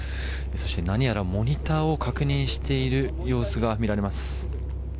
そして何やらモニターを確認している様子が見られます。